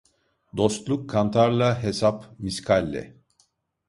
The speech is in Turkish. Dostluk kantarla, hesap miskalle.